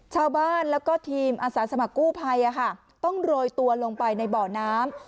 ชาวบ้านแล้วก็ทีมอาสาสมัครกู้ภัยต้องโรยตัวลงไปในบ่อน้ำ